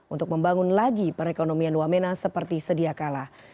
untuk membangun lagi perekonomian wamena seperti sedia kala